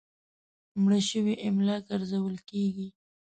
مړ شوي املاک ارزول کېږي.